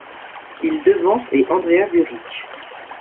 Il devance et Andrea Vuerich.